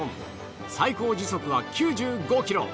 最高時速は９５ｋｍ。